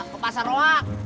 ke pasar loak